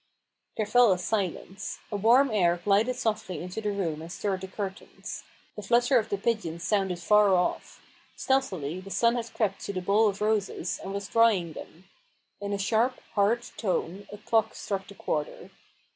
There fell a silence* A warm air glided softly into the room and stirred the curtains. The flutter of the pigeons sounded far off* Stealthily, the sun had crept to the bowl of roses, and was drying them. In a sharp, hard tone, a clock struck the quarter.